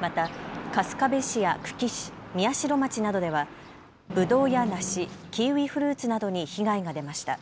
また春日部市や久喜市、宮代町などでは、ぶどうや梨、キウイフルーツなどに被害が出ました。